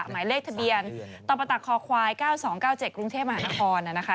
หมายเลขทะเบียนตปตคควาย๙๒๙๗กรุงเทพมหานครนะคะ